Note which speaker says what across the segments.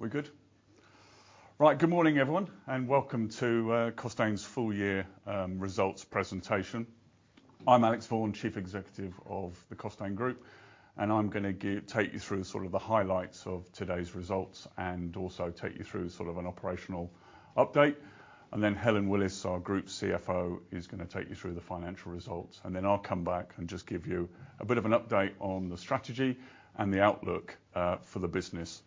Speaker 1: We're good? Right, good morning, everyone, and welcome to Costain's full-year results presentation. I'm Alex Vaughan, Chief Executive of the Costain Group, and I'm gonna take you through sort of the highlights of today's results and also take you through sort of an operational update. And then Helen Willis, our Group CFO, is gonna take you through the financial results, and then I'll come back and just give you a bit of an update on the strategy and the outlook for the business.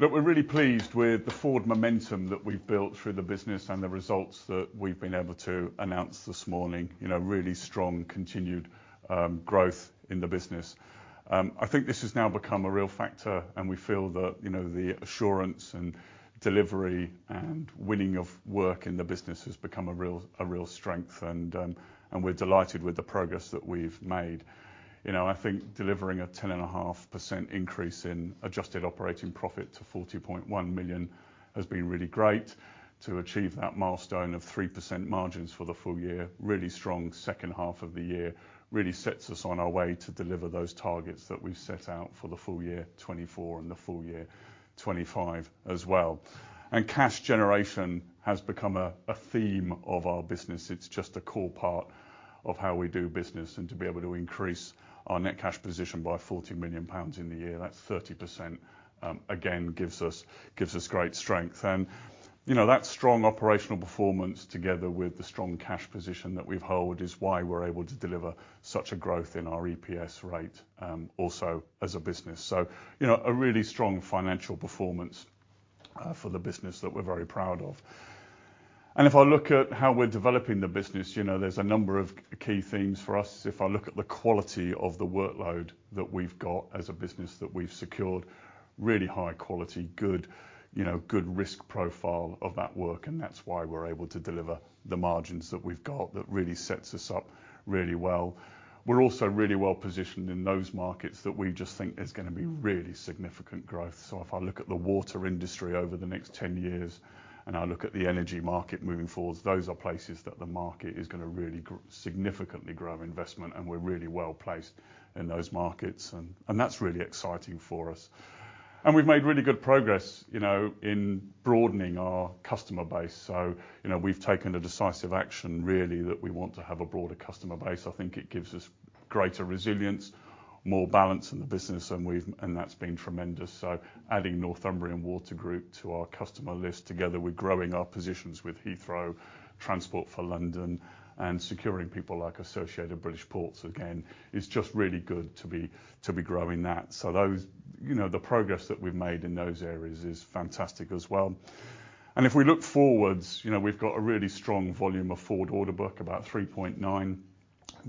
Speaker 1: Look, we're really pleased with the forward momentum that we've built through the business and the results that we've been able to announce this morning, you know, really strong continued growth in the business. I think this has now become a real factor, and we feel that, you know, the assurance and delivery and winning of work in the business has become a real strength, and we're delighted with the progress that we've made. You know, I think delivering a 10.5% increase in adjusted operating profit to 40.1 million has been really great. To achieve that milestone of 3% margins for the full year, really strong second half of the year, really sets us on our way to deliver those targets that we've set out for the full year 2024 and the full year 2025 as well. And cash generation has become a theme of our business. It's just a core part of how we do business, and to be able to increase our net cash position by 40 million pounds in the year, that's 30%, again, gives us great strength. And, you know, that strong operational performance together with the strong cash position that we've held is why we're able to deliver such a growth in our EPS rate, also as a business. So, you know, a really strong financial performance, for the business that we're very proud of. And if I look at how we're developing the business, you know, there's a number of key themes for us. If I look at the quality of the workload that we've got as a business that we've secured, really high quality, good, you know, good risk profile of that work, and that's why we're able to deliver the margins that we've got that really sets us up really well. We're also really well positioned in those markets that we just think there's gonna be really significant growth. So if I look at the water industry over the next 10 years and I look at the energy market moving forwards, those are places that the market is gonna really grow significantly grow investment, and we're really well placed in those markets, and, and that's really exciting for us. And we've made really good progress, you know, in broadening our customer base. So, you know, we've taken a decisive action, really, that we want to have a broader customer base. I think it gives us greater resilience, more balance in the business, and we've, and that's been tremendous. Adding Northumbrian Water Group to our customer list together with growing our positions with Heathrow, Transport for London, and securing people like Associated British Ports, again, is just really good to be growing that. Those you know, the progress that we've made in those areas is fantastic as well. If we look forwards, you know, we've got a really strong volume of forward order book, about 3.9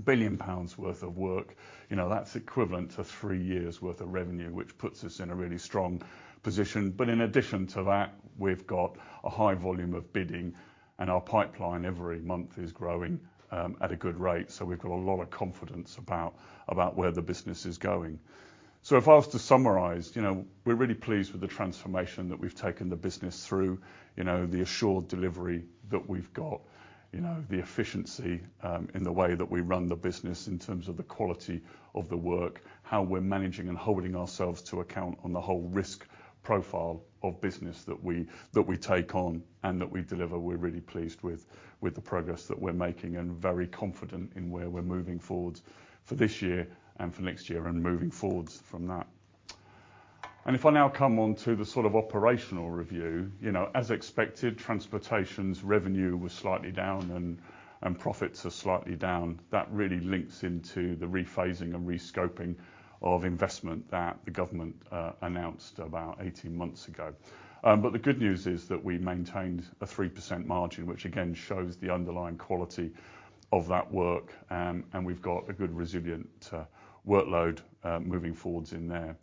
Speaker 1: billion pounds worth of work. You know, that's equivalent to three years' worth of revenue, which puts us in a really strong position. But in addition to that, we've got a high volume of bidding, and our pipeline every month is growing at a good rate, so we've got a lot of confidence about where the business is going. So if I was to summarize, you know, we're really pleased with the transformation that we've taken the business through, you know, the assured delivery that we've got, you know, the efficiency, in the way that we run the business in terms of the quality of the work, how we're managing and holding ourselves to account on the whole risk profile of business that we take on and that we deliver, we're really pleased with the progress that we're making and very confident in where we're moving forwards for this year and for next year and moving forwards from that. If I now come onto the sort of operational review, you know, as expected, transportation's revenue was slightly down and profits are slightly down. That really links into the rephasing and rescoping of investment that the government announced about 18 months ago. But the good news is that we maintained a 3% margin, which again shows the underlying quality of that work, and we've got a good resilient workload moving forwards in there.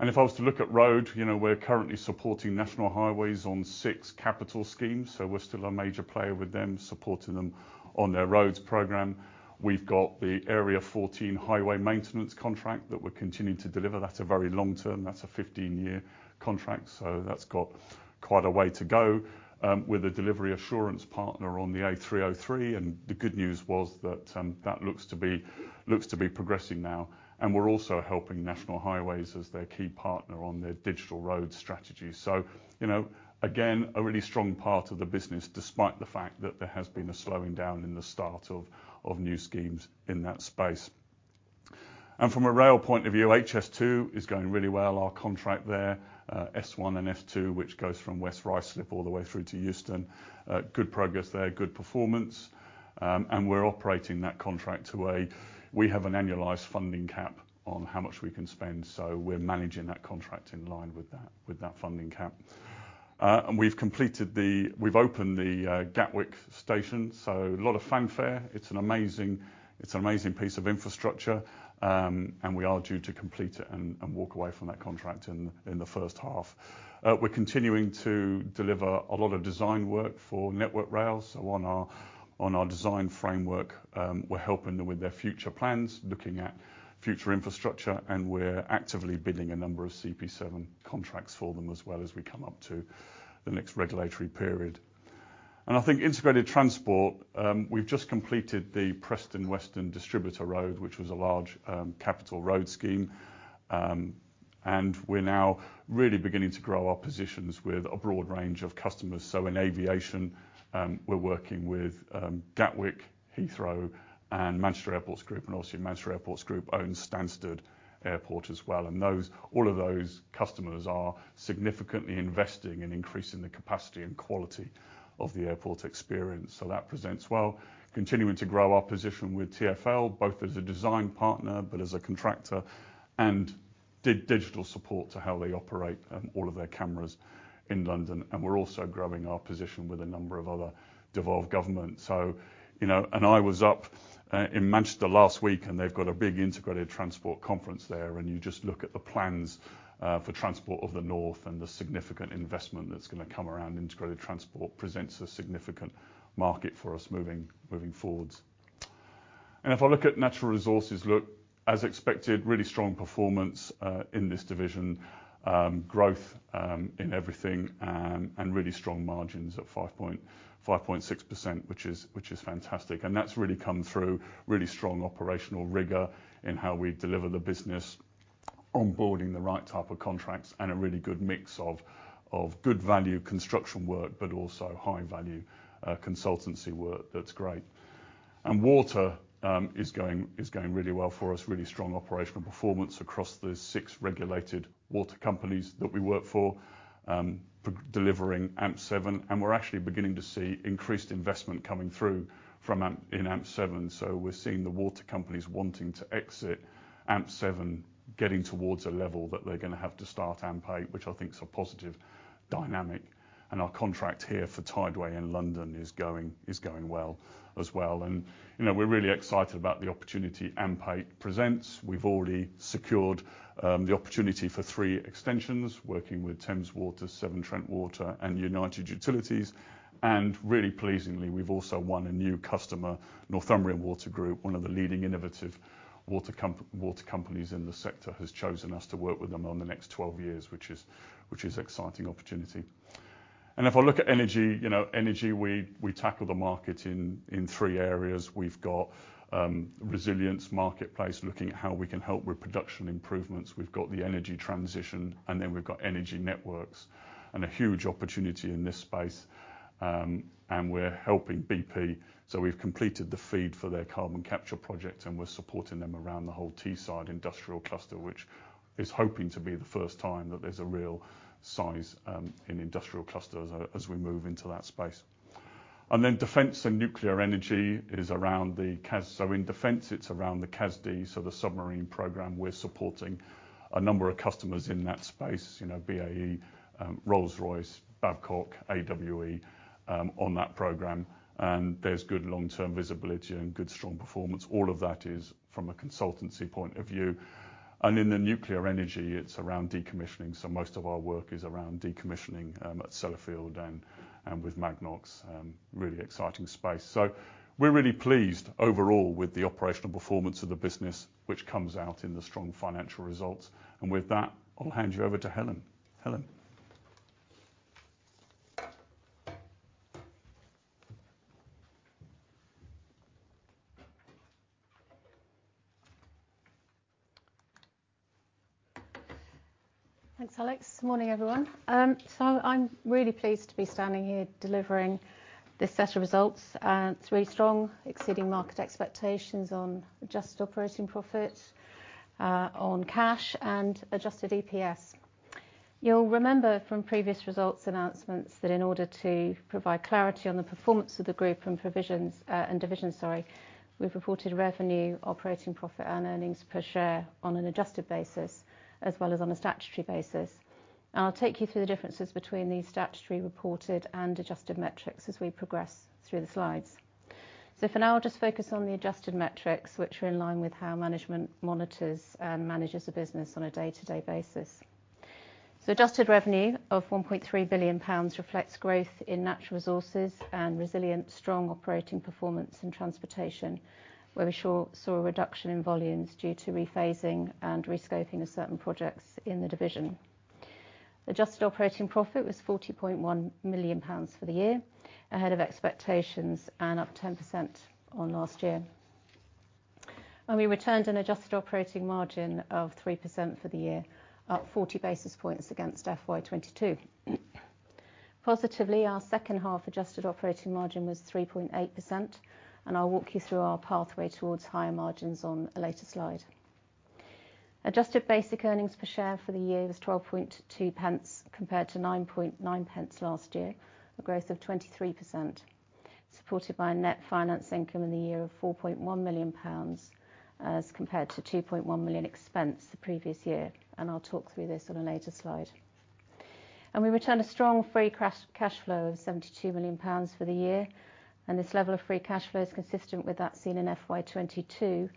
Speaker 1: If I was to look at road, you know, we're currently supporting National Highways on 6 capital schemes, so we're still a major player with them, supporting them on their roads program. We've got the Area 14 Highway Maintenance contract that we're continuing to deliver. That's a very long term. That's a 15-year contract, so that's got quite a way to go, with a delivery assurance partner on the A303. And the good news was that that looks to be progressing now, and we're also helping National Highways as their key partner on their Digital Road Strategy. So, you know, again, a really strong part of the business despite the fact that there has been a slowing down in the start of, of new schemes in that space. And from a rail point of view, HS2 is going really well, our contract there, S1 and S2, which goes from West Ruislip all the way through to Euston. Good progress there, good performance, and we're operating that contract—we have an annualized funding cap on how much we can spend, so we're managing that contract in line with that funding cap. And we've opened the Gatwick station, so a lot of fanfare. It's an amazing piece of infrastructure, and we are due to complete it and walk away from that contract in the first half. We're continuing to deliver a lot of design work for Network Rail. So on our design framework, we're helping them with their future plans, looking at future infrastructure, and we're actively bidding a number of CP7 contracts for them as well as we come up to the next regulatory period. And I think integrated transport, we've just completed the Preston Western Distributor Road, which was a large, capital road scheme, and we're now really beginning to grow our positions with a broad range of customers. So in aviation, we're working with Gatwick, Heathrow, and Manchester Airports Group, and also Manchester Airports Group owns Stansted Airport as well. And those customers are significantly investing and increasing the capacity and quality of the airport experience. So that presents well, continuing to grow our position with TfL, both as a design partner but as a contractor, and did digital support to how they operate all of their cameras in London. And we're also growing our position with a number of other devolved governments. So, you know, and I was up in Manchester last week, and they've got a big integrated transport conference there, and you just look at the plans for Transport of the North and the significant investment that's gonna come around integrated transport, presents a significant market for us moving, moving forwards. And if I look at natural resources, look, as expected, really strong performance in this division, growth in everything, and really strong margins at 5.5%-6%, which is fantastic. That's really come through really strong operational rigor in how we deliver the business, onboarding the right type of contracts, and a really good mix of good value construction work but also high value consultancy work that's great. Water is going really well for us, really strong operational performance across the six regulated water companies that we work for, progress delivering AMP7, and we're actually beginning to see increased investment coming through from AMP7. So we're seeing the water companies wanting to exit AMP7 getting towards a level that they're gonna have to start AMP8, which I think's a positive dynamic. Our contract here for Tideway in London is going well as well. You know, we're really excited about the opportunity AMP8 presents. We've already secured the opportunity for three extensions, working with Thames Water, Severn Trent Water, and United Utilities. And really pleasingly, we've also won a new customer. Northumbrian Water Group, one of the leading innovative water companies in the sector, has chosen us to work with them on the next 12 years, which is an exciting opportunity. And if I look at energy, you know, energy, we tackle the market in three areas. We've got resilience marketplace, looking at how we can help with production improvements. We've got the energy transition, and then we've got energy networks and a huge opportunity in this space, and we're helping BP. So we've completed the FEED for their carbon capture project, and we're supporting them around the whole Teesside industrial cluster, which is hoping to be the first time that there's a real size in industrial clusters as we move into that space. And then defense and nuclear energy is around the CAS so in defense, it's around the CASD, so the submarine program. We're supporting a number of customers in that space, you know, BAE, Rolls-Royce, Babcock, AWE, on that program. And there's good long-term visibility and good strong performance. All of that is from a consultancy point of view. And in the nuclear energy, it's around decommissioning, so most of our work is around decommissioning, at Sellafield and with Magnox, really exciting space. So we're really pleased overall with the operational performance of the business, which comes out in the strong financial results. With that, I'll hand you over to Helen. Helen.
Speaker 2: Thanks, Alex. Morning, everyone. So I'm really pleased to be standing here delivering this set of results. It's really strong, exceeding market expectations on adjusted operating profit, on cash, and adjusted EPS. You'll remember from previous results announcements that in order to provide clarity on the performance of the group and provisions, and divisions, sorry, we've reported revenue, operating profit, and earnings per share on an adjusted basis as well as on a statutory basis. And I'll take you through the differences between these statutory reported and adjusted metrics as we progress through the slides. So for now, I'll just focus on the adjusted metrics, which are in line with how management monitors and manages a business on a day-to-day basis. So adjusted revenue of 1.3 billion pounds reflects growth in natural resources and resilient, strong operating performance in transportation, where we surely saw a reduction in volumes due to rephasing and rescoping of certain projects in the division. Adjusted operating profit was 40.1 million pounds for the year, ahead of expectations and up 10% on last year. And we returned an adjusted operating margin of 3% for the year, up 40 basis points against FY22. Positively, our second half adjusted operating margin was 3.8%, and I'll walk you through our pathway towards higher margins on a later slide. Adjusted basic earnings per share for the year was 0.12 compared to 0.09 last year, a growth of 23%, supported by a net finance income in the year of 4.1 million pounds as compared to 2.1 million expense the previous year. And I'll talk through this on a later slide. We returned a strong free cash flow of 72 million pounds for the year. This level of free cash flow is consistent with that seen in FY22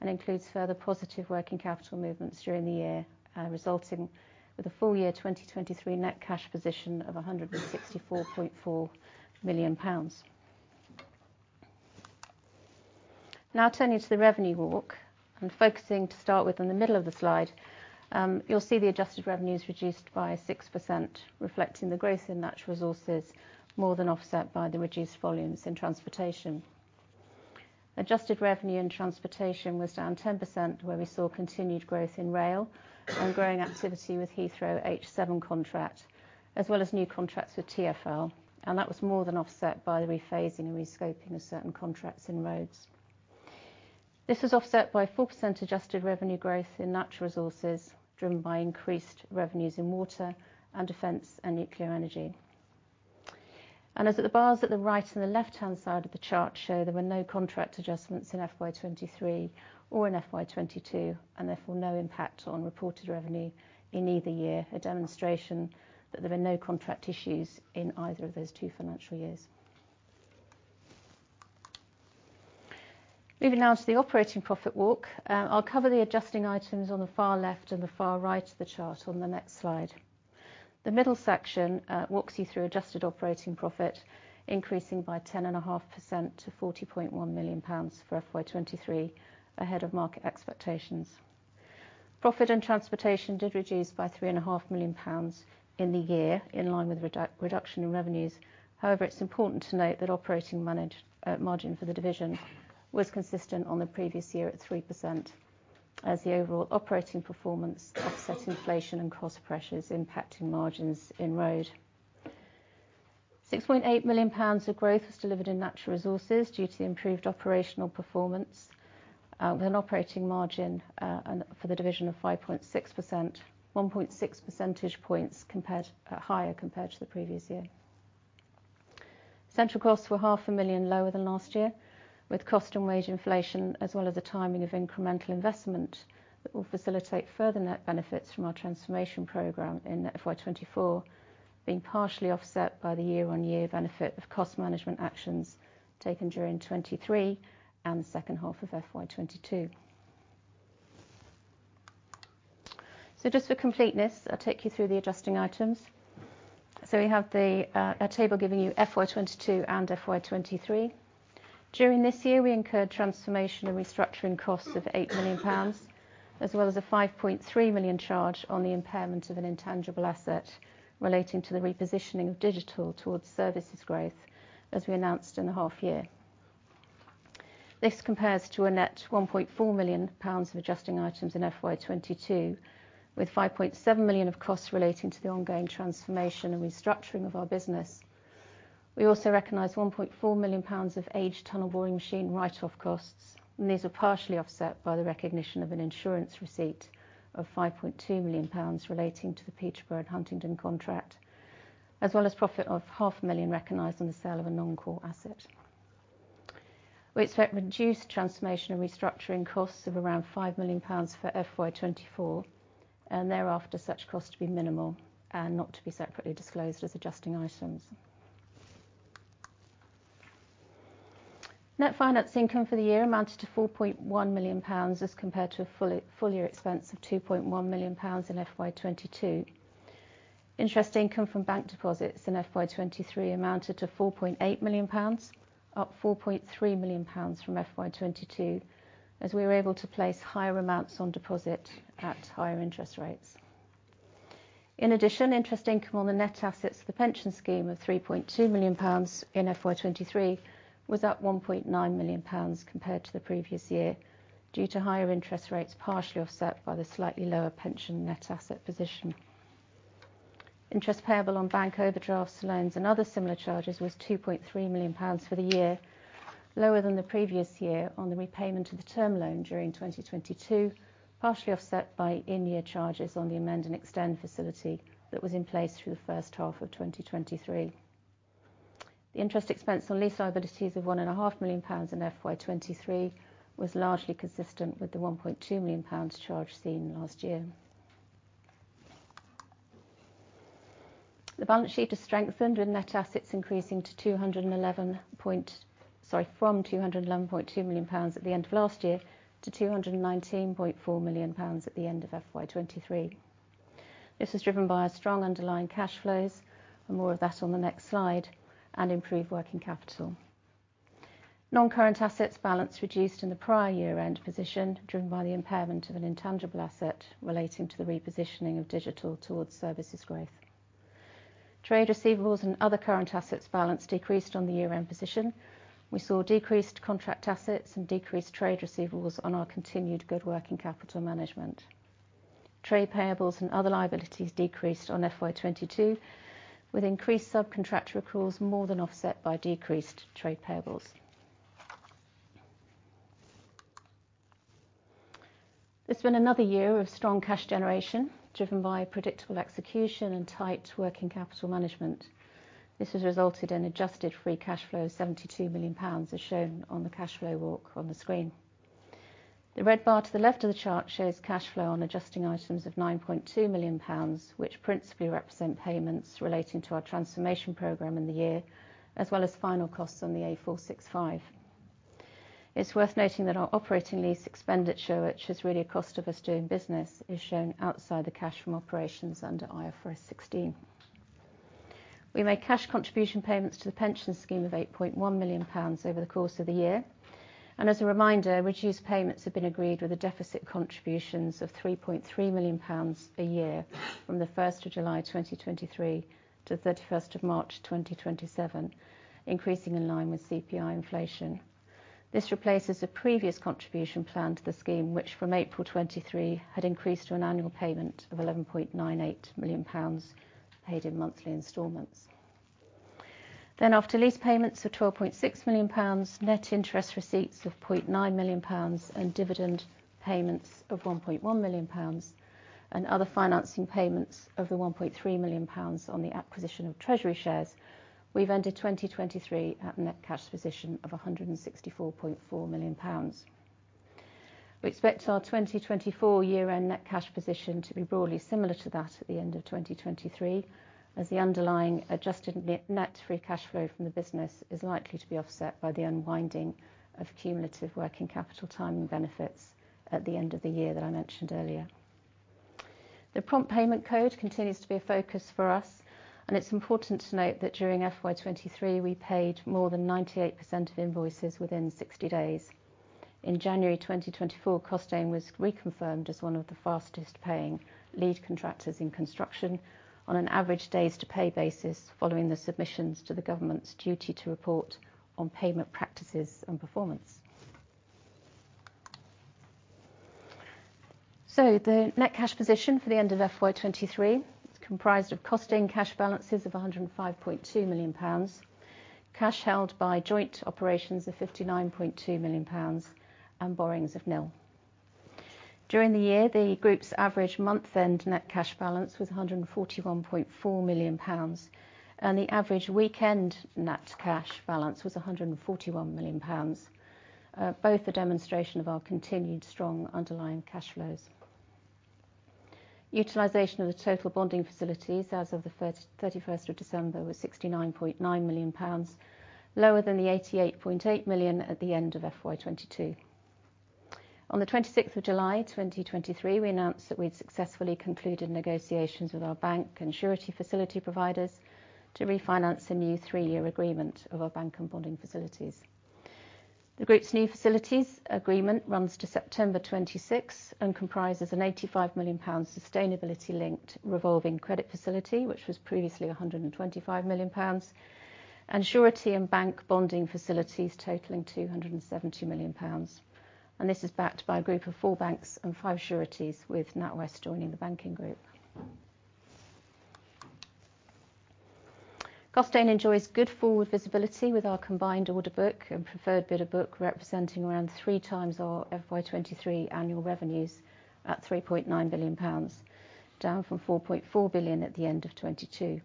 Speaker 2: and includes further positive working capital movements during the year, resulting with a full-year 2023 net cash position of GBP 164.4 million. Now turning to the revenue walk and focusing to start with in the middle of the slide, you'll see the adjusted revenue is reduced by 6%, reflecting the growth in natural resources more than offset by the reduced volumes in transportation. Adjusted revenue in transportation was down 10%, where we saw continued growth in rail and growing activity with Heathrow H7 contract as well as new contracts with TfL. That was more than offset by the rephasing and rescoping of certain contracts in roads. This was offset by 4% adjusted revenue growth in natural resources driven by increased revenues in water and defense and nuclear energy. As the bars at the right and the left-hand side of the chart show, there were no contract adjustments in FY23 or in FY22 and therefore no impact on reported revenue in either year, a demonstration that there were no contract issues in either of those two financial years. Moving now to the operating profit walk, I'll cover the adjusting items on the far left and the far right of the chart on the next slide. The middle section walks you through adjusted operating profit increasing by 10.5% to 40.1 million pounds for FY23, ahead of market expectations. Profit and transportation did reduce by 3.5 million pounds in the year in line with reduction in revenues. However, it's important to note that operating margin for the division was consistent on the previous year at 3% as the overall operating performance offset inflation and cost pressures impacting margins in road. 6.8 million pounds of growth was delivered in natural resources due to the improved operational performance, with an operating margin for the division of 5.6%, 1.6 percentage points compared higher compared to the previous year. Central costs were 0.5 million lower than last year with cost and wage inflation as well as a timing of incremental investment that will facilitate further net benefits from our transformation program in FY 2024 being partially offset by the year-on-year benefit of cost management actions taken during 2023 and the second half of FY 2022. So just for completeness, I'll take you through the adjusting items. So we have a table giving you FY 2022 and FY 2023. During this year, we incurred transformation and restructuring costs of 8 million pounds as well as a 5.3 million charge on the impairment of an intangible asset relating to the repositioning of digital towards services growth as we announced in the half-year. This compares to a net 1.4 million pounds of adjusting items in FY22 with 5.7 million of costs relating to the ongoing transformation and restructuring of our business. We also recognise 1.4 million pounds of aged tunnel boring machine write-off costs, and these were partially offset by the recognition of an insurance receipt of 5.2 million pounds relating to the Peterborough and Huntingdon contract as well as profit of 0.5 million recognised on the sale of a non-core asset. We expect reduced transformation and restructuring costs of around 5 million pounds for FY24 and thereafter such costs to be minimal and not to be separately disclosed as adjusting items. Net finance income for the year amounted to 4.1 million pounds as compared to a full year expense of 2.1 million pounds in FY22. Interest income from bank deposits in FY23 amounted to 4.8 million pounds, up 4.3 million pounds from FY22 as we were able to place higher amounts on deposit at higher interest rates. In addition, interest income on the net assets of the pension scheme of 3.2 million pounds in FY23 was up 1.9 million pounds compared to the previous year due to higher interest rates partially offset by the slightly lower pension net asset position. Interest payable on bank overdrafts, loans, and other similar charges was 2.3 million pounds for the year, lower than the previous year on the repayment of the term loan during 2022, partially offset by in-year charges on the amend and extend facility that was in place through the first half of 2023. The interest expense on lease liabilities of 1.5 million pounds in FY23 was largely consistent with the 1.2 million pounds charge seen last year. The balance sheet is strengthened with net assets increasing to 211 point sorry, from 211.2 million pounds at the end of last year to 219.4 million pounds at the end of FY23. This was driven by strong underlying cash flows - and more of that on the next slide - and improved working capital. Non-current assets balance reduced in the prior year-end position driven by the impairment of an intangible asset relating to the repositioning of digital towards services growth. Trade receivables and other current assets balance decreased on the year-end position. We saw decreased contract assets and decreased trade receivables on our continued good working capital management. Trade payables and other liabilities decreased on FY22 with increased subcontractor accruals more than offset by decreased trade payables. It's been another year of strong cash generation driven by predictable execution and tight working capital management. This has resulted in adjusted free cash flow of 72 million pounds as shown on the cash flow walk on the screen. The red bar to the left of the chart shows cash flow on adjusting items of 9.2 million pounds, which principally represent payments relating to our transformation program in the year as well as final costs on the A465. It's worth noting that our operating lease expenditure, which is really a cost of us doing business, is shown outside the cash from operations under IFRS 16. We made cash contribution payments to the pension scheme of 8.1 million pounds over the course of the year. And as a reminder, reduced payments have been agreed with a deficit contributions of 3.3 million pounds a year from the 1st of July 2023 to the 31st of March 2027, increasing in line with CPI inflation. This replaces a previous contribution plan to the scheme, which from April 2023 had increased to an annual payment of 11.98 million pounds paid in monthly installments. Then after lease payments of 12.6 million pounds, net interest receipts of 0.9 million pounds, and dividend payments of 1.1 million pounds, and other financing payments of the 1.3 million pounds on the acquisition of treasury shares, we've ended 2023 at a net cash position of 164.4 million pounds. We expect our 2024 year-end net cash position to be broadly similar to that at the end of 2023 as the underlying adjusted net free cash flow from the business is likely to be offset by the unwinding of cumulative working capital timing benefits at the end of the year that I mentioned earlier. The Prompt Payment Code continues to be a focus for us, and it's important to note that during FY23, we paid more than 98% of invoices within 60 days. In January 2024, Costain was reconfirmed as one of the fastest-paying lead contractors in construction on an average days-to-pay basis following the submissions to the government's duty to report on payment practices and performance. The net cash position for the end of FY23 is comprised of Costain cash balances of 105.2 million pounds, cash held by joint operations of 59.2 million pounds, and borrowings of NIL. During the year, the group's average month-end net cash balance was 141.4 million pounds, and the average weekend net cash balance was 141 million pounds. Both are demonstration of our continued strong underlying cash flows. Utilization of the total bonding facilities as of the 31st of December was 69.9 million pounds, lower than the 88.8 million at the end of FY22. On the 26th of July 2023, we announced that we'd successfully concluded negotiations with our bank and surety facility providers to refinance a new three-year agreement of our bank and bonding facilities. The group's new facilities agreement runs to September 26th and comprises a 85 million pounds sustainability-linked revolving credit facility, which was previously 125 million pounds, and surety and bank bonding facilities totaling 270 million pounds. And this is backed by a group of four banks and five sureties with NatWest joining the banking group. Costain enjoys good forward visibility with our combined order book and preferred bidder book representing around 3 times our FY 2023 annual revenues at 3.9 billion pounds, down from 4.4 billion at the end of 2022.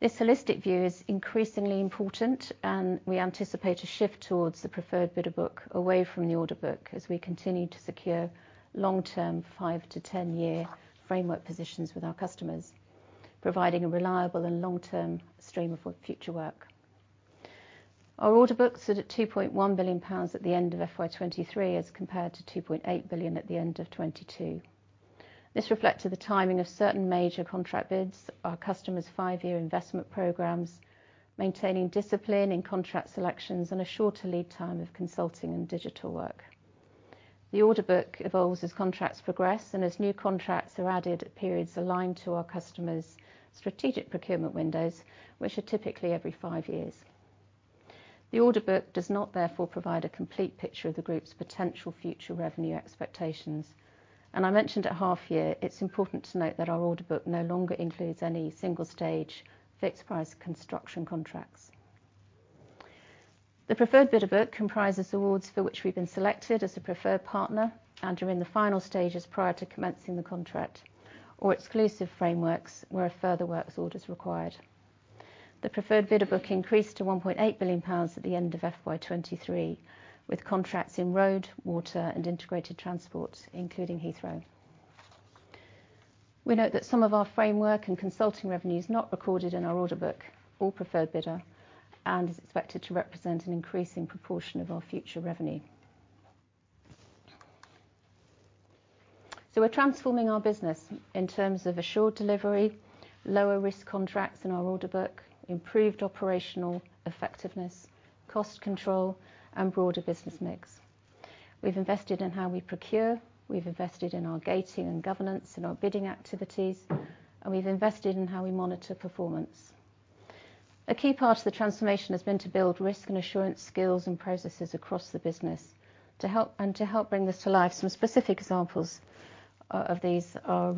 Speaker 2: This holistic view is increasingly important, and we anticipate a shift towards the preferred bidder book away from the order book as we continue to secure long-term 5- to 10-year framework positions with our customers, providing a reliable and long-term stream of future work. Our order books are at 2.1 billion pounds at the end of FY 2023 as compared to 2.8 billion at the end of 2022. This reflects the timing of certain major contract bids, our customers' 5-year investment programs, maintaining discipline in contract selections, and a shorter lead time of consulting and digital work. The order book evolves as contracts progress and as new contracts are added at periods aligned to our customers' strategic procurement windows, which are typically every five years. The order book does not therefore provide a complete picture of the group's potential future revenue expectations. I mentioned at half-year, it's important to note that our order book no longer includes any single-stage fixed-price construction contracts. The preferred bidder book comprises awards for which we've been selected as a preferred partner and are in the final stages prior to commencing the contract or exclusive frameworks where further works orders required. The preferred bidder book increased to 1.8 billion pounds at the end of FY23 with contracts in road, water, and integrated transport, including Heathrow. We note that some of our framework and consulting revenues not recorded in our order book or preferred bidder and is expected to represent an increasing proportion of our future revenue. So we're transforming our business in terms of assured delivery, lower risk contracts in our order book, improved operational effectiveness, cost control, and broader business mix. We've invested in how we procure. We've invested in our gating and governance in our bidding activities. And we've invested in how we monitor performance. A key part of the transformation has been to build risk and assurance skills and processes across the business to help and to help bring this to life. Some specific examples of these are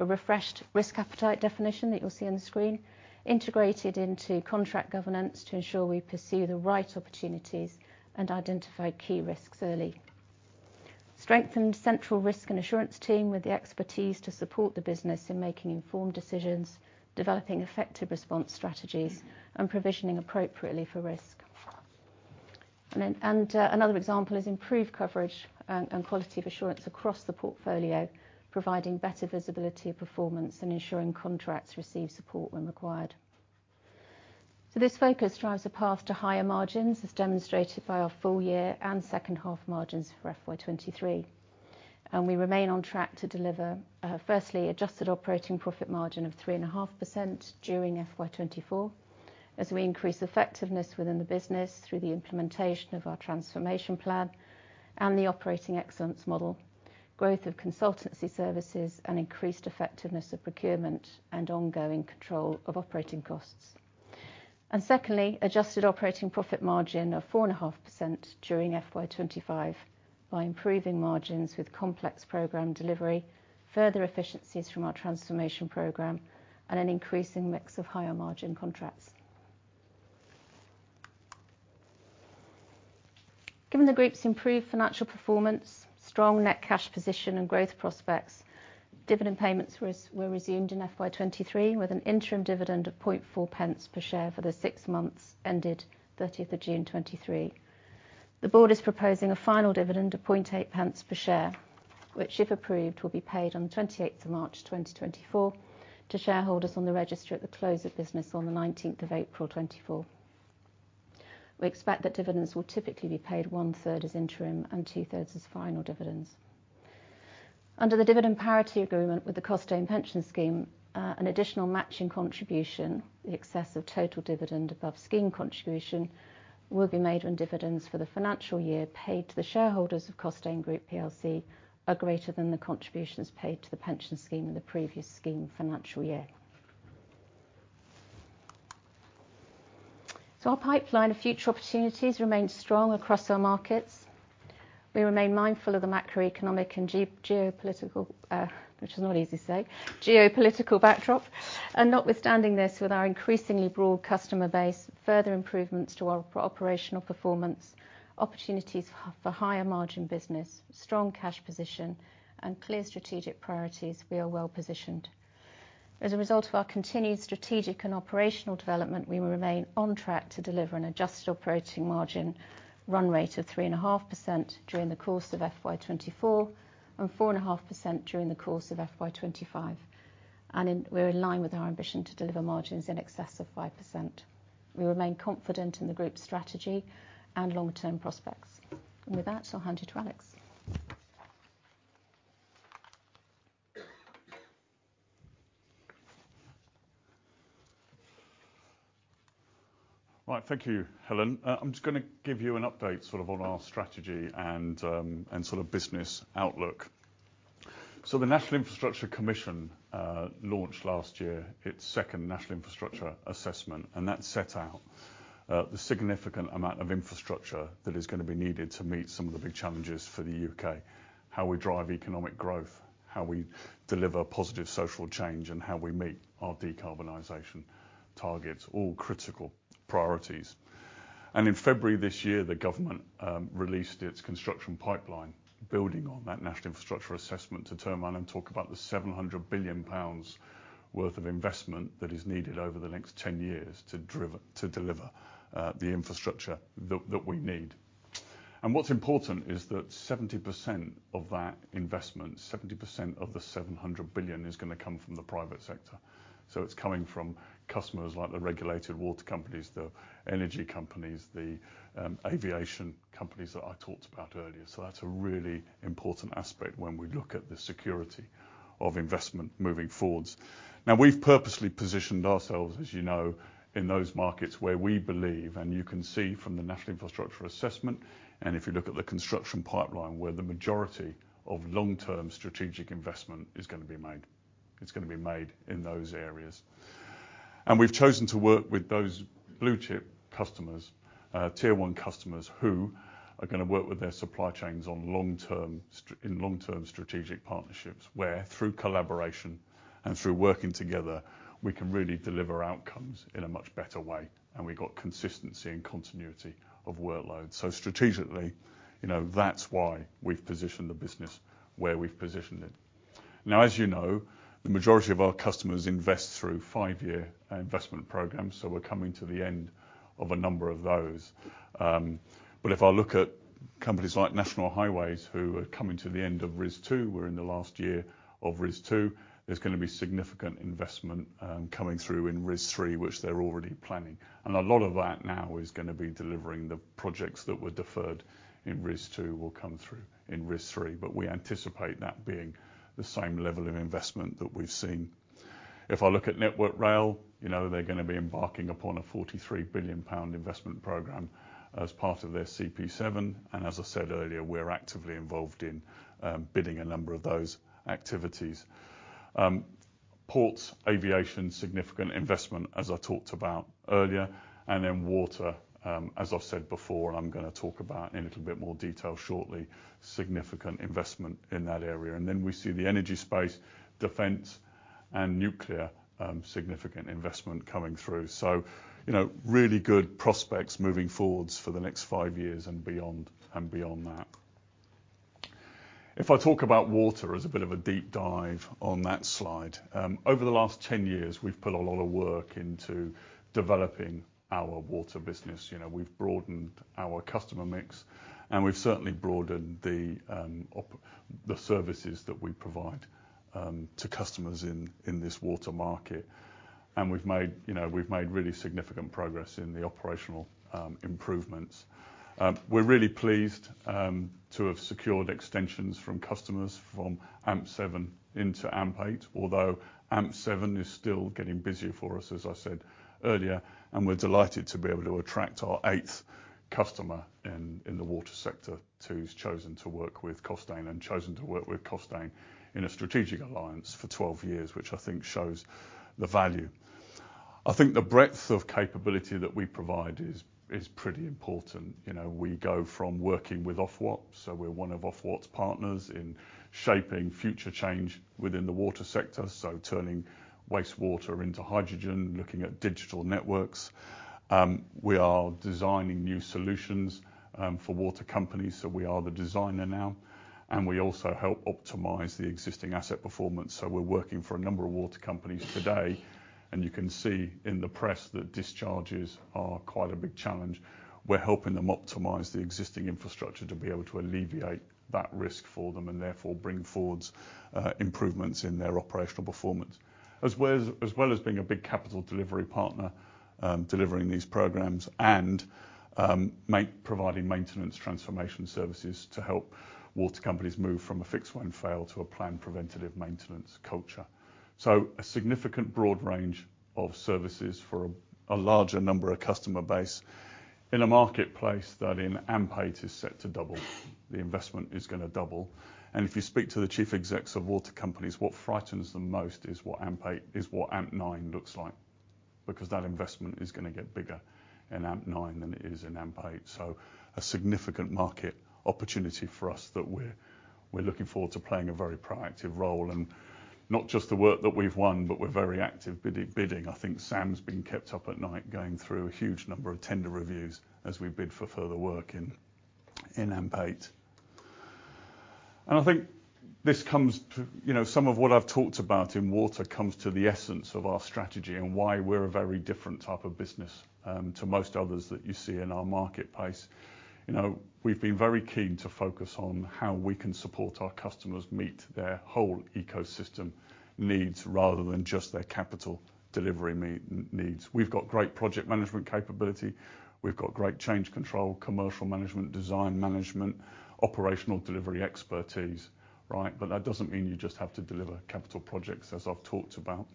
Speaker 2: a refreshed risk appetite definition that you'll see on the screen, integrated into contract governance to ensure we pursue the right opportunities and identify key risks early. Strengthened central risk and assurance team with the expertise to support the business in making informed decisions, developing effective response strategies, and provisioning appropriately for risk. Another example is improved coverage and quality of assurance across the portfolio, providing better visibility of performance and ensuring contracts receive support when required. This focus drives a path to higher margins as demonstrated by our full-year and second-half margins for FY23. We remain on track to deliver, firstly, adjusted operating profit margin of 3.5% during FY24 as we increase effectiveness within the business through the implementation of our transformation plan and the operating excellence model, growth of consultancy services, and increased effectiveness of procurement and ongoing control of operating costs. Secondly, adjusted operating profit margin of 4.5% during FY25 by improving margins with complex program delivery, further efficiencies from our transformation program, and an increasing mix of higher margin contracts. Given the group's improved financial performance, strong net cash position, and growth prospects, dividend payments were resumed in FY23 with an interim dividend of 0.004 per share for the six months ended 30th of June 2023. The board is proposing a final dividend of 0.008 per share, which, if approved, will be paid on the 28th of March 2024 to shareholders on the register at the close of business on the 19th of April 2024. We expect that dividends will typically be paid one-third as interim and two-thirds as final dividends. Under the Dividend Parity Agreement with the Costain Pension Scheme, an additional matching contribution, the excess of total dividend above scheme contribution, will be made when dividends for the financial year paid to the shareholders of Costain Group PLC are greater than the contributions paid to the pension scheme in the previous scheme financial year. So our pipeline of future opportunities remains strong across our markets. We remain mindful of the macroeconomic and geopolitical which is not easy to say, geopolitical backdrop. And notwithstanding this, with our increasingly broad customer base, further improvements to our operational performance, opportunities for higher margin business, strong cash position, and clear strategic priorities, we are well positioned. As a result of our continued strategic and operational development, we will remain on track to deliver an adjusted operating margin run rate of 3.5% during the course of FY 2024 and 4.5% during the course of FY 2025. And in, we're in line with our ambition to deliver margins in excess of 5%. We remain confident in the group's strategy and long-term prospects. And with that, I'll hand it to Alex. Right.
Speaker 1: Thank you, Helen. I'm just gonna give you an update sort of on our strategy and, and sort of business outlook. So the National Infrastructure Commission launched last year its second National Infrastructure Assessment, and that set out the significant amount of infrastructure that is gonna be needed to meet some of the big challenges for the UK, how we drive economic growth, how we deliver positive social change, and how we meet our decarbonization targets, all critical priorities. In February this year, the government released its construction pipeline building on that National Infrastructure Assessment to turn around and talk about the 700 billion pounds worth of investment that is needed over the next 10 years to deliver the infrastructure that we need. What's important is that 70% of that investment, 70% of the 700 billion, is gonna come from the private sector. So it's coming from customers like the regulated water companies, the energy companies, the aviation companies that I talked about earlier. So that's a really important aspect when we look at the security of investment moving forward. Now, we've purposely positioned ourselves, as you know, in those markets where we believe and you can see from the national infrastructure assessment and if you look at the construction pipeline where the majority of long-term strategic investment is gonna be made. It's gonna be made in those areas. And we've chosen to work with those blue-chip customers, tier-one customers who are gonna work with their supply chains on long-term strategic partnerships where, through collaboration and through working together, we can really deliver outcomes in a much better way. And we got consistency and continuity of workload. So strategically, you know, that's why we've positioned the business where we've positioned it. Now, as you know, the majority of our customers invest through five-year investment programs, so we're coming to the end of a number of those. But if I look at companies like National Highways who are coming to the end of RIS2, we're in the last year of RIS2, there's gonna be significant investment coming through in RIS3, which they're already planning. And a lot of that now is gonna be delivering the projects that were deferred in RIS2 will come through in RIS3, but we anticipate that being the same level of investment that we've seen. If I look at Network Rail, you know, they're gonna be embarking upon a 43 billion pound investment program as part of their CP7. And as I said earlier, we're actively involved in bidding a number of those activities. Ports, aviation, significant investment as I talked about earlier. Then water, as I've said before, and I'm gonna talk about in a little bit more detail shortly, significant investment in that area. And then we see the energy space, defense, and nuclear, significant investment coming through. So, you know, really good prospects moving forward for the next 5 years and beyond and beyond that. If I talk about water as a bit of a deep dive on that slide, over the last 10 years, we've put a lot of work into developing our water business. You know, we've broadened our customer mix, and we've certainly broadened the services that we provide to customers in this water market. And we've made, you know, we've made really significant progress in the operational improvements. We're really pleased to have secured extensions from customers from AMP7 into AMP8, although AMP7 is still getting busier for us, as I said earlier. We're delighted to be able to attract our eighth customer in the water sector who's chosen to work with Costain and chosen to work with Costain in a strategic alliance for 12 years, which I think shows the value. I think the breadth of capability that we provide is pretty important. You know, we go from working with Ofwat, so we're one of Ofwat's partners in shaping future change within the water sector, so turning wastewater into hydrogen, looking at digital networks. We are designing new solutions for water companies, so we are the designer now. We also help optimize the existing asset performance. We're working for a number of water companies today. And you can see in the press that discharges are quite a big challenge. We're helping them optimize the existing infrastructure to be able to alleviate that risk for them and therefore bring forward improvements in their operational performance as well as as well as being a big capital delivery partner, delivering these programs and providing maintenance transformation services to help water companies move from a fix and fail to a planned preventative maintenance culture. So a significant broad range of services for a larger number of customer base. In a marketplace that in AMP8 is set to double, the investment is gonna double. And if you speak to the chief execs of water companies, what frightens them most is what AMP8 is what AMP9 looks like because that investment is gonna get bigger in AMP9 than it is in AMP8. So a significant market opportunity for us that we're looking forward to playing a very proactive role and not just the work that we've won, but we're very active bidding. I think Sam's been kept up at night going through a huge number of tender reviews as we bid for further work in AMP8. And I think this comes, you know, some of what I've talked about in water comes to the essence of our strategy and why we're a very different type of business to most others that you see in our marketplace. You know, we've been very keen to focus on how we can support our customers meet their whole ecosystem needs rather than just their capital delivery needs. We've got great project management capability. We've got great change control, commercial management, design management, operational delivery expertise, right? But that doesn't mean you just have to deliver capital projects as I've talked about.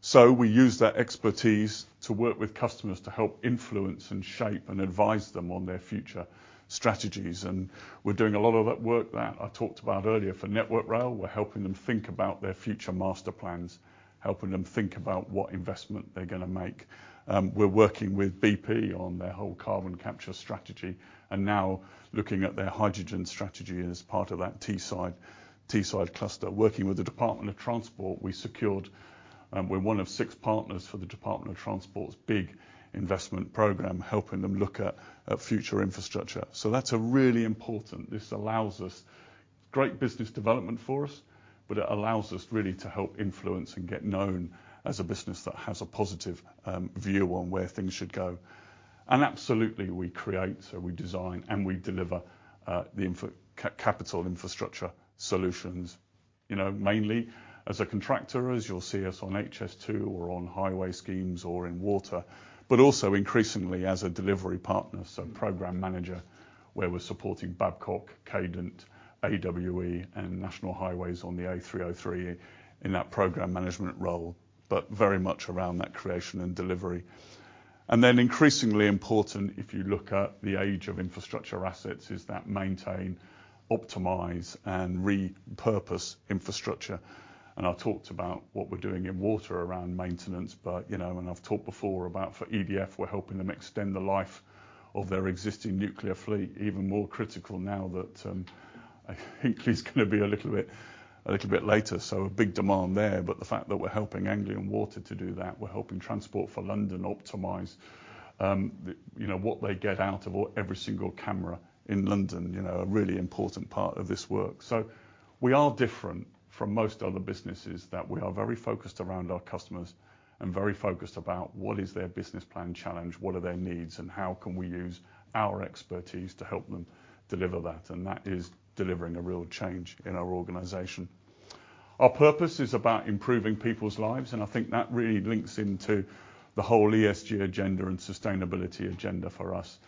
Speaker 1: So we use that expertise to work with customers to help influence and shape and advise them on their future strategies. We're doing a lot of that work that I talked about earlier for Network Rail. We're helping them think about their future master plans, helping them think about what investment they're gonna make. We're working with BP on their whole carbon capture strategy and now looking at their hydrogen strategy as part of that Teesside, Teesside cluster. Working with the Department of Transport, we secured, we're one of 6 partners for the Department of Transport's big investment programme, helping them look at, at future infrastructure. So that's a really important [aspect]. This allows us great business development for us, but it allows us really to help influence and get known as a business that has a positive view on where things should go. And absolutely, we create, so we design, and we deliver, the infrastructure solutions, you know, mainly as a contractor, as you'll see us on HS2 or on highway schemes or in water, but also increasingly as a delivery partner, so program manager where we're supporting Babcock, Cadent, AWE, and National Highways on the A303 in that program management role, but very much around that creation and delivery. And then increasingly important, if you look at the age of infrastructure assets, is that maintain, optimize, and repurpose infrastructure. I've talked about what we're doing in water around maintenance, but, you know, and I've talked before about for EDF, we're helping them extend the life of their existing nuclear fleet, even more critical now that, I think he's gonna be a little bit a little bit later. So a big demand there. But the fact that we're helping Anglian Water to do that, we're helping Transport for London optimize, the you know, what they get out of every single camera in London, you know, a really important part of this work. So we are different from most other businesses that we are very focused around our customers and very focused about what is their business plan challenge, what are their needs, and how can we use our expertise to help them deliver that. And that is delivering a real change in our organization. Our purpose is about improving people's lives, and I think that really links into the whole ESG agenda and sustainability agenda for us.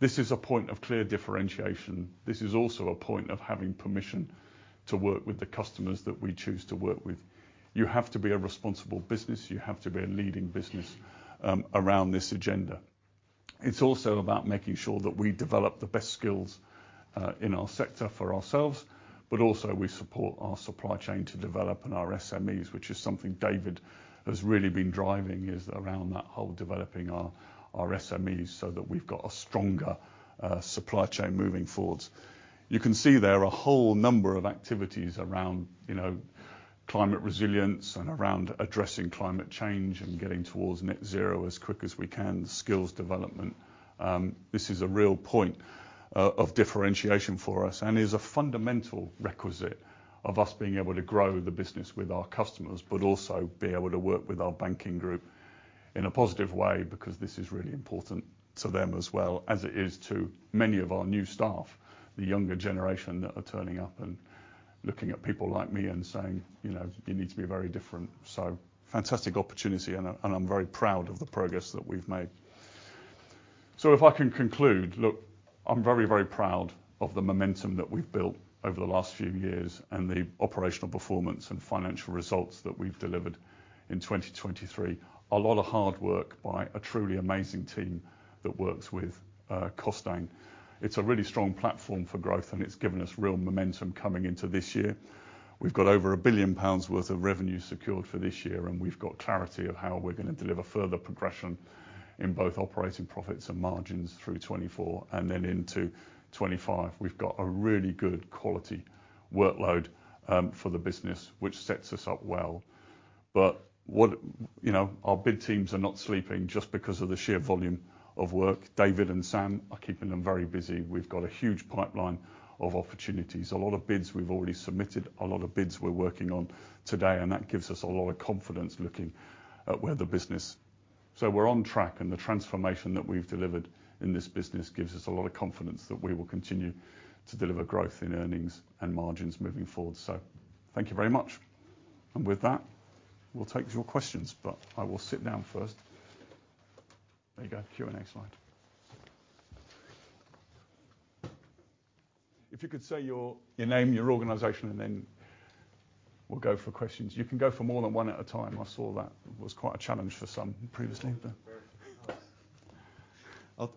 Speaker 1: This is a point of clear differentiation. This is also a point of having permission to work with the customers that we choose to work with. You have to be a responsible business. You have to be a leading business, around this agenda. It's also about making sure that we develop the best skills, in our sector for ourselves, but also we support our supply chain to develop and our SMEs, which is something David has really been driving is around that whole developing our, our SMEs so that we've got a stronger, supply chain moving forwards. You can see there are a whole number of activities around, you know, climate resilience and around addressing climate change and getting towards net zero as quick as we can, skills development. This is a real point of differentiation for us and is a fundamental requisite of us being able to grow the business with our customers, but also be able to work with our banking group in a positive way because this is really important to them as well as it is to many of our new staff, the younger generation that are turning up and looking at people like me and saying, you know, "You need to be very different." So fantastic opportunity, and I and I'm very proud of the progress that we've made. So if I can conclude, look, I'm very, very proud of the momentum that we've built over the last few years and the operational performance and financial results that we've delivered in 2023, a lot of hard work by a truly amazing team that works with Costain. It's a really strong platform for growth, and it's given us real momentum coming into this year. We've got over 1 billion pounds worth of revenue secured for this year, and we've got clarity of how we're gonna deliver further progression in both operating profits and margins through 2024 and then into 2025. We've got a really good quality workload for the business, which sets us up well. But what you know, our bid teams are not sleeping just because of the sheer volume of work. David and Sam, I keeping them very busy. We've got a huge pipeline of opportunities, a lot of bids we've already submitted, a lot of bids we're working on today, and that gives us a lot of confidence looking at where the business, so we're on track, and the transformation that we've delivered in this business gives us a lot of confidence that we will continue to deliver growth in earnings and margins moving forward. So thank you very much. With that, we'll take your questions, but I will sit down first. There you go. Q&A slide. If you could say your name, your organisation, and then we'll go for questions. You can go for more than one at a time. I saw that was quite a challenge for some previously, but.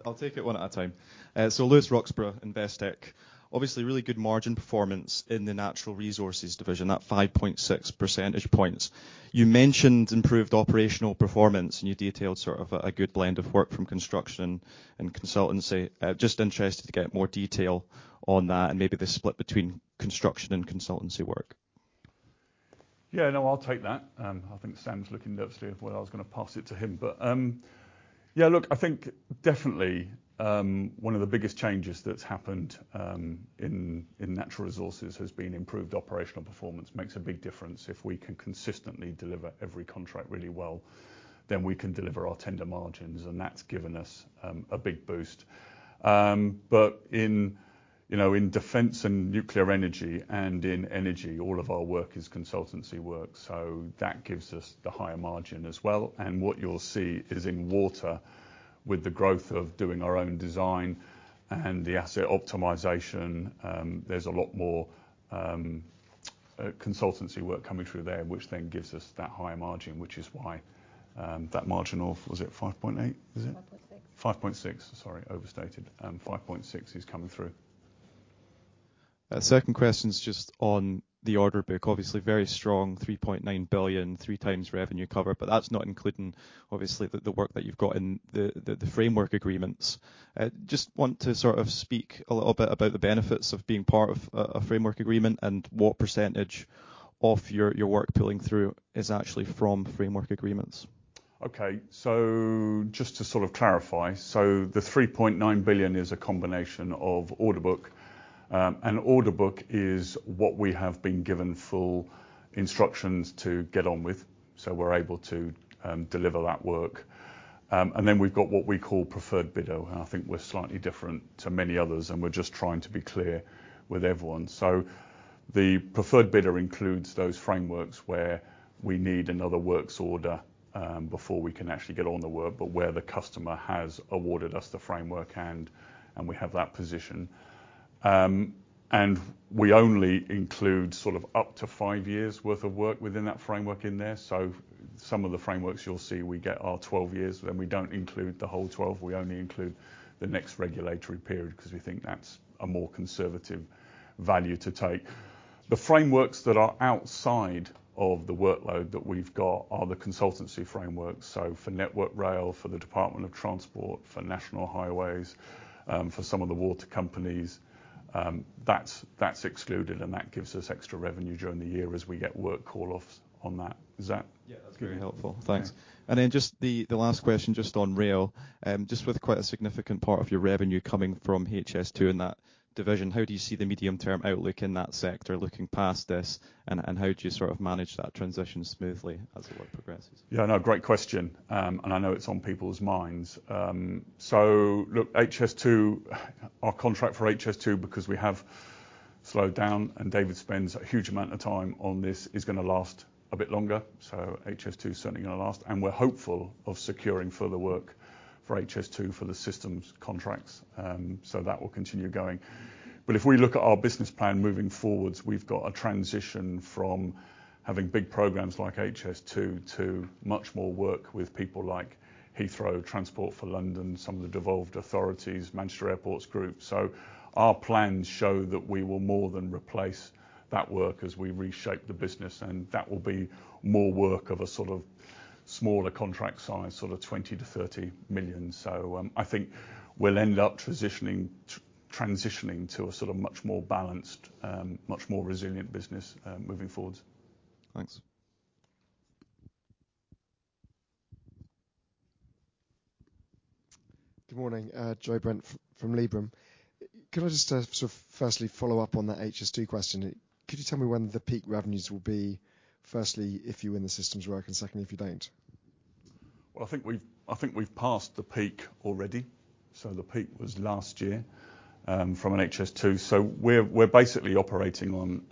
Speaker 1: I'll take it one at a time. So Lewis Sherborne, Investec.
Speaker 3: Obviously, really good margin performance in the natural resources division, that 5.6 percentage points. You mentioned improved operational performance, and you detailed sort of a good blend of work from construction and consultancy. Just interested to get more detail on that and maybe the split between construction and consultancy work.
Speaker 1: Yeah. No, I'll take that. I think Sam's looking at it and saying well, I was gonna pass it to him. But, yeah, look, I think definitely, one of the biggest changes that's happened in natural resources has been improved operational performance. Makes a big difference. If we can consistently deliver every contract really well, then we can deliver our tender margins, and that's given us a big boost. But in, you know, in defense and nuclear energy and in energy, all of our work is consultancy work, so that gives us the higher margin as well. What you'll see is in water, with the growth of doing our own design and the asset optimization, there's a lot more consultancy work coming through there, which then gives us that higher margin, which is why that margin of was it 5.8? Is it? 5.6. 5.6. Sorry, overstated. 5.6 is coming through. Second question's just on the order book. Obviously, very strong, 3.9 billion, 3 times revenue cover, but that's not including, obviously, the work that you've got in the framework agreements. Just want to sort of speak a little bit about the benefits of being part of a framework agreement and what percentage of your work pulling through is actually from framework agreements. Okay. So just to sort of clarify, so the 3.9 billion is a combination of order book. An order book is what we have been given full instructions to get on with, so we're able to deliver that work. Then we've got what we call preferred bidder, and I think we're slightly different to many others, and we're just trying to be clear with everyone. So the preferred bidder includes those frameworks where we need another works order before we can actually get on the work, but where the customer has awarded us the framework and we have that position. We only include sort of up to five years' worth of work within that framework in there. So some of the frameworks you'll see, we get our 12 years, then we don't include the whole 12. We only include the next regulatory period 'cause we think that's a more conservative value to take. The frameworks that are outside of the workload that we've got are the consultancy frameworks. So for Network Rail, for the Department of Transport, for National Highways, for some of the water companies, that's, that's excluded, and that gives us extra revenue during the year as we get work call-offs on that. Is that? Yeah. That's very helpful.
Speaker 3: Thanks. And then just the last question just on rail, just with quite a significant part of your revenue coming from HS2 in that division, how do you see the medium-term outlook in that sector looking past this, and how do you sort of manage that transition smoothly as the work progresses?
Speaker 1: Yeah. No, great question. And I know it's on people's minds. So look, our HS2 contract for HS2, because we have slowed down, and David spends a huge amount of time on this, is gonna last a bit longer, so HS2's certainly gonna last. And we're hopeful of securing further work for HS2 for the systems contracts, so that will continue going. But if we look at our business plan moving forward, we've got a transition from having big programs like HS2 to much more work with people like Heathrow, Transport for London, some of the devolved authorities, Manchester Airports Group. So our plans show that we will more than replace that work as we reshape the business, and that will be more work of a sort of smaller contract size, sort of 20-30 million. So, I think we'll end up transitioning to a sort of much more balanced, much more resilient business, moving forward.
Speaker 3: Thanks.
Speaker 4: Good morning. Joe Brent from Liberum. Can I just, sort of firstly follow up on that HS2 question? Could you tell me when the peak revenues will be, firstly, if you're in the systems work and secondly, if you don't?
Speaker 1: Well, I think we've passed the peak already. So the peak was last year, from an HS2. So we're, we're basically operating on,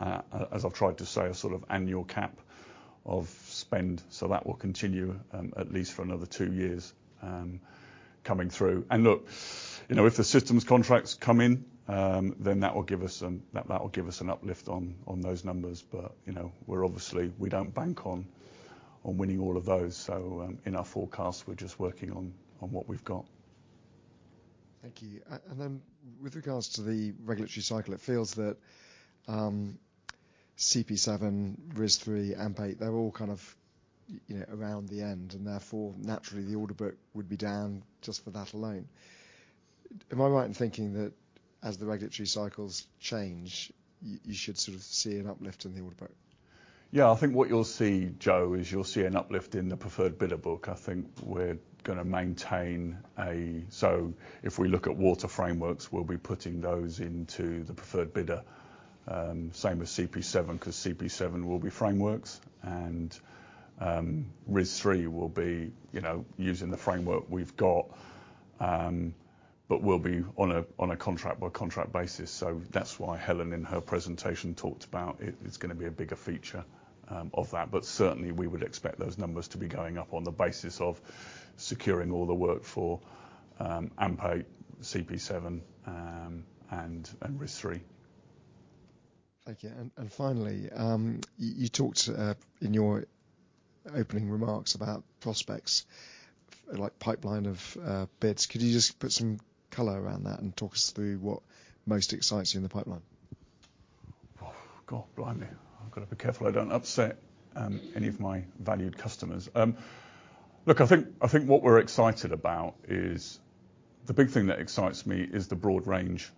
Speaker 1: as I've tried to say, a sort of annual cap of spend, so that will continue, at least for another two years, coming through. And look, you know, if the systems contracts come in, then that will give us an uplift on, on those numbers. But, you know, we're obviously we don't bank on, on winning all of those. So, in our forecast, we're just working on, on what we've got. Thank you.
Speaker 4: Then with regards to the regulatory cycle, it feels that, CP7, RIS2, AMP8, they're all kind of, you know, around the end, and therefore, naturally, the order book would be down just for that alone. Am I right in thinking that as the regulatory cycles change, you should sort of see an uplift in the order book?
Speaker 1: Yeah. I think what you'll see, Joe, is you'll see an uplift in the preferred bidder book. I think we're gonna maintain a so if we look at water frameworks, we'll be putting those into the preferred bidder, same as CP7 'cause CP7 will be frameworks, and, RIS2 will be, you know, using the framework we've got, but we'll be on a contract-by-contract basis. So that's why Helen in her presentation talked about it's gonna be a bigger feature, of that. Certainly, we would expect those numbers to be going up on the basis of securing all the work for AMP8, CP7, and RIS2.
Speaker 4: Thank you. And finally, you talked in your opening remarks about prospects like pipeline of bids. Could you just put some color around that and talk us through what most excites you in the pipeline?
Speaker 1: Well, God, blindly. I've gotta be careful I don't upset any of my valued customers. Look, I think I think what we're excited about is the big thing that excites me is the broad range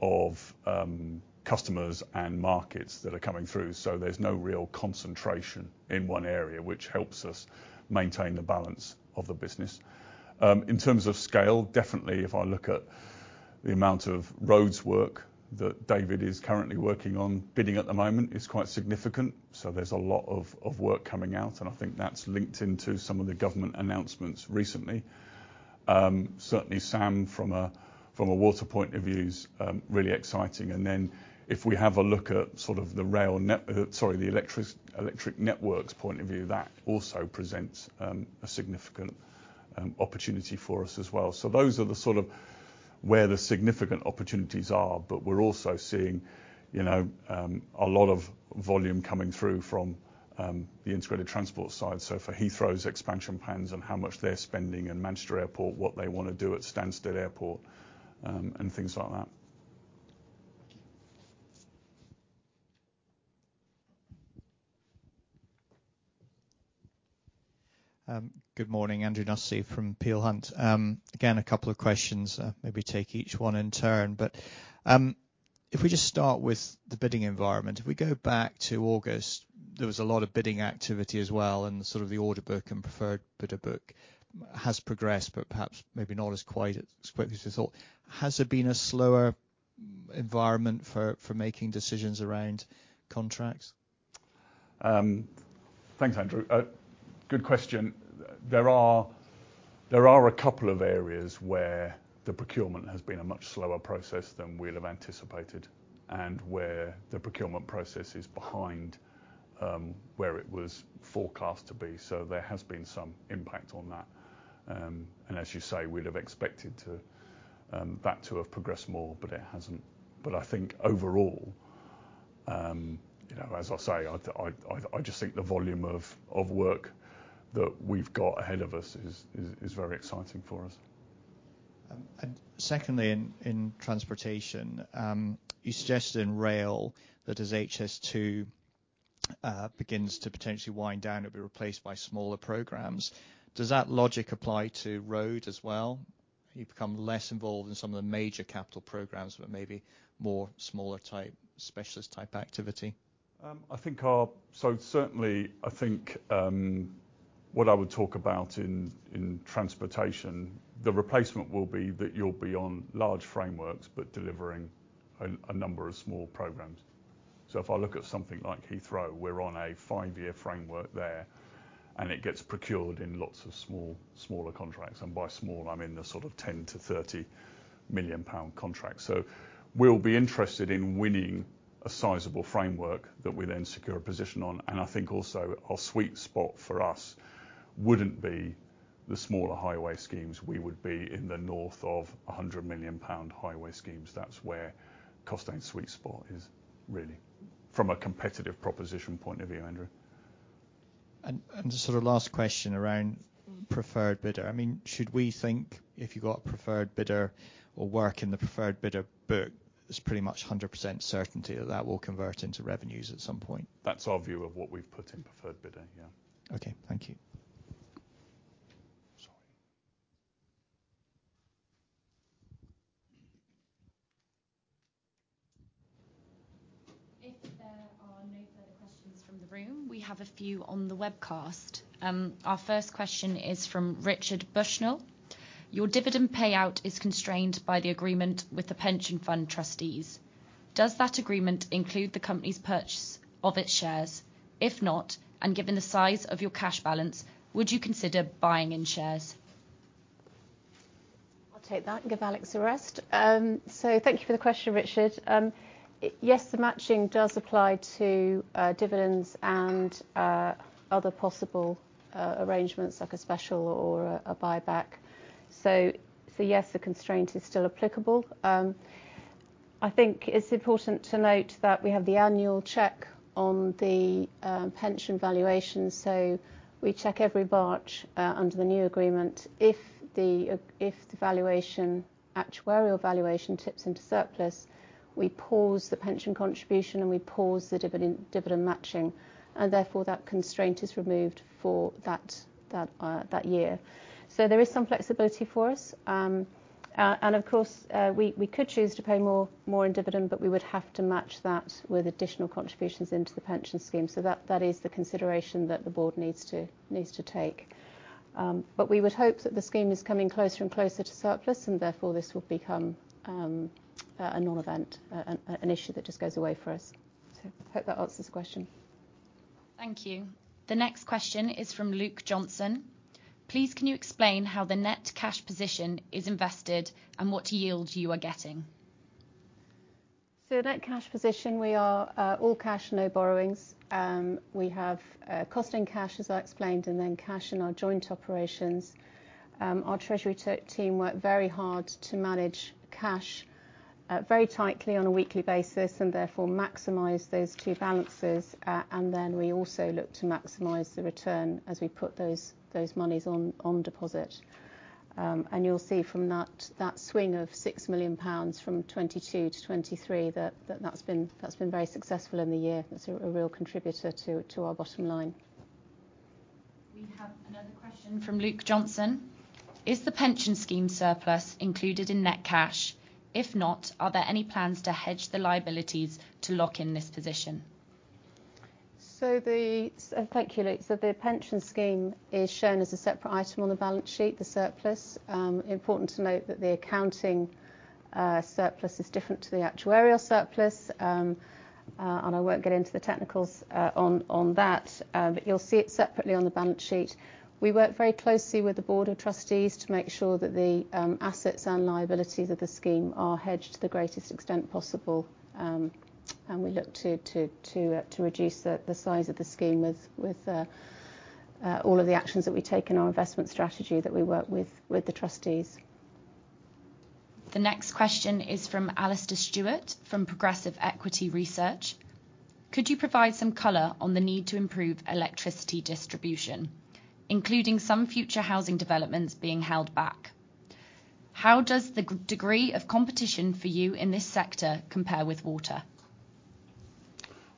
Speaker 1: of customers and markets that are coming through. So there's no real concentration in one area, which helps us maintain the balance of the business. In terms of scale, definitely, if I look at the amount of roads work that David is currently working on, bidding at the moment is quite significant. So there's a lot of work coming out, and I think that's linked into some of the government announcements recently. Certainly, Sam, from a water point of view, it's really exciting. And then if we have a look at sort of the electric networks point of view, that also presents a significant opportunity for us as well. So those are the sort of where the significant opportunities are, but we're also seeing, you know, a lot of volume coming through from the integrated transport side. So for Heathrow's expansion plans and how much they're spending and Manchester Airport, what they wanna do at Stansted Airport, and things like that. Thank you.
Speaker 5: Good morning. Andrew Nussey from Peel Hunt. Again, a couple of questions. Maybe take each one in turn. But if we just start with the bidding environment, if we go back to August, there was a lot of bidding activity as well, and sort of the order book and preferred bidder book has progressed, but perhaps maybe not as quite as quickly as we thought. Has there been a slower environment for making decisions around contracts?
Speaker 1: Thanks, Andrew. Good question. There are a couple of areas where the procurement has been a much slower process than we'd have anticipated and where the procurement process is behind, where it was forecast to be. So there has been some impact on that. As you say, we'd have expected that to have progressed more, but it hasn't. But I think overall, you know, as I say, I just think the volume of work that we've got ahead of us is very exciting for us.
Speaker 5: And secondly, in transportation, you suggested in rail that as HS2 begins to potentially wind down, it'll be replaced by smaller programs. Does that logic apply to road as well? You become less involved in some of the major capital programs, but maybe more smaller-type, specialist-type activity.
Speaker 1: I think so certainly, I think, what I would talk about in transportation, the replacement will be that you'll be on large frameworks but delivering a number of small programs. So if I look at something like Heathrow, we're on a 5-year framework there, and it gets procured in lots of small, smaller contracts. By small, I mean the sort of 10 million-30 million pound contracts. We'll be interested in winning a sizable framework that we then secure a position on. I think also our sweet spot for us wouldn't be the smaller highway schemes. We would be in the north of 100 million pound highway schemes. That's where Costain's sweet spot is, really, from a competitive proposition point of view, Andrew.
Speaker 5: And just sort of last question around preferred bidder. I mean, should we think if you've got a preferred bidder or work in the preferred bidder book, there's pretty much 100% certainty that that will convert into revenues at some point?
Speaker 1: That's our view of what we've put in preferred bidder.
Speaker 5: Yeah. Okay. Thank you.
Speaker 6: Sorry. If there are no further questions from the room, we have a few on the webcast. Our first question is from Richard Bushnell.Your dividend payout is constrained by the agreement with the pension fund trustees. Does that agreement include the company's purchase of its shares? If not, and given the size of your cash balance, would you consider buying in shares?
Speaker 2: I'll take that and give Alex the rest. So thank you for the question, Richard. I yes, the matching does apply to dividends and other possible arrangements like a special or a buyback. So, so yes, the constraint is still applicable. I think it's important to note that we have the annual check on the pension valuation, so we check every March, under the new agreement. If the a if the valuation actuarial valuation tips into surplus, we pause the pension contribution and we pause the dividend dividend matching, and therefore, that constraint is removed for that, that, that year. So there is some flexibility for us. And, of course, we could choose to pay more in dividend, but we would have to match that with additional contributions into the pension scheme. So that is the consideration that the board needs to take. But we would hope that the scheme is coming closer and closer to surplus, and therefore, this will become a non-event, an issue that just goes away for us. So I hope that answers the question.
Speaker 6: Thank you. The next question is from Luke Johnson. Please, can you explain how the net cash position is invested and what yield you are getting?
Speaker 2: So net cash position, we are all cash, no borrowings. We have Costain cash, as I explained, and then cash in our joint operations. Our treasury team work very hard to manage cash very tightly on a weekly basis and therefore maximize those two balances. Then we also look to maximize the return as we put those, those moneys on, on deposit. And you'll see from that, that swing of 6 million pounds from 2022 to 2023 that, that that's been that's been very successful in the year. That's a, a real contributor to, to our bottom line.
Speaker 6: We have another question from Luke Johnson. Is the pension scheme surplus included in net cash? If not, are there any plans to hedge the liabilities to lock in this position?
Speaker 2: So, thank you, Luke. So the pension scheme is shown as a separate item on the balance sheet, the surplus. Important to note that the accounting, surplus is different to the actuarial surplus. I won't get into the technicals, on, on that, but you'll see it separately on the balance sheet. We work very closely with the board of trustees to make sure that the assets and liabilities of the scheme are hedged to the greatest extent possible, and we look to reduce the size of the scheme with all of the actions that we take in our investment strategy that we work with the trustees.
Speaker 6: The next question is from Alastair Stewart from Progressive Equity Research. Could you provide some color on the need to improve electricity distribution, including some future housing developments being held back? How does the greater degree of competition for you in this sector compare with water?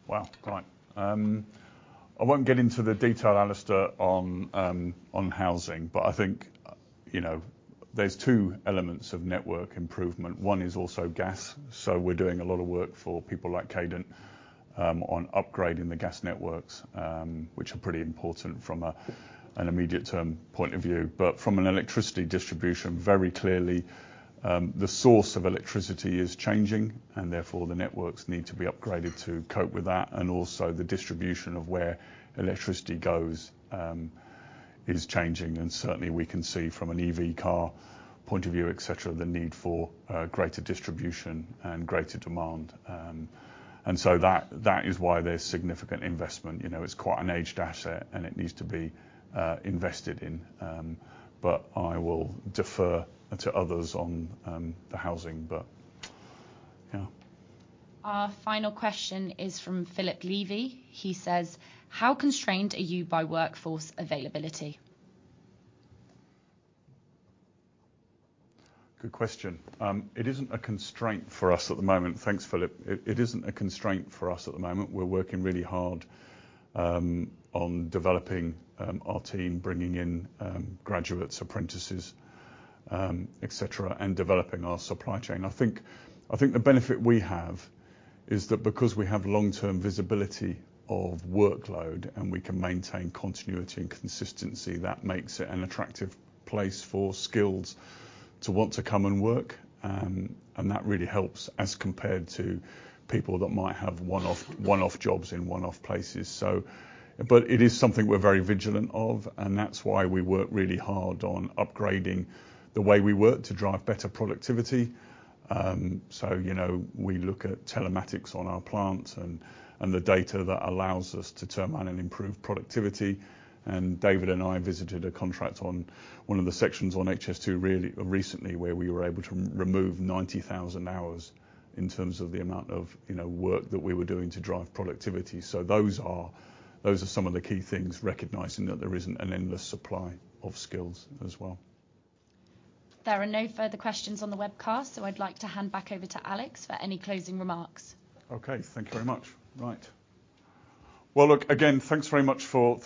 Speaker 1: Well, right. I won't get into the detail, Alistair, on housing, but I think, you know, there's two elements of network improvement. One is also gas.
Speaker 2: So we're doing a lot of work for people like Cadent, on upgrading the gas networks, which are pretty important from an immediate-term point of view. But from an electricity distribution, very clearly, the source of electricity is changing, and therefore, the networks need to be upgraded to cope with that. And also, the distribution of where electricity goes, is changing. And certainly, we can see from an EV car point of view, etc., the need for greater distribution and greater demand. And so that is why there's significant investment. You know, it's quite an aged asset, and it needs to be invested in, but I will defer to others on the housing, but yeah.
Speaker 6: Our final question is from Philip Levy. He says, "How constrained are you by workforce availability?"
Speaker 1: Good question. It isn't a constraint for us at the moment. Thanks, Philip.It isn't a constraint for us at the moment. We're working really hard on developing our team, bringing in graduates, apprentices, etc., and developing our supply chain. I think the benefit we have is that because we have long-term visibility of workload and we can maintain continuity and consistency, that makes it an attractive place for skills to want to come and work. And that really helps as compared to people that might have one-off jobs in one-off places. But it is something we're very vigilant of, and that's why we work really hard on upgrading the way we work to drive better productivity. So, you know, we look at telematics on our plants and the data that allows us to turn around and improve productivity. David and I visited a contract on one of the sections on HS2 really recently where we were able to remove 90,000 hours in terms of the amount of, you know, work that we were doing to drive productivity. So those are some of the keythings, recognizing that there isn't an endless supply of skills as well.
Speaker 6: There are no further questions on the webcast, so I'd like to hand back over to Alex for any closing remarks.
Speaker 1: Okay. Thank you very much. Right. Well, look, again, thanks very much for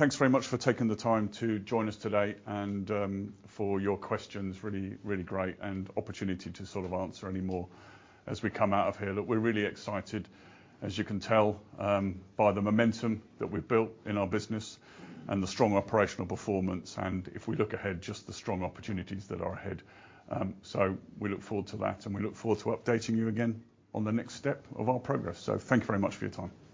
Speaker 1: taking the time to join us today and, for your questions. Really, really great opportunity to sort of answer any more as we come out of here. Look, we're really excited, as you can tell, by the momentum that we've built in our business and the strong operational performance. If we look ahead, just the strong opportunities that are ahead. So we look forward to that, and we look forward to updating you again on the next step of our progress. So thank you very much for your time. Thank you.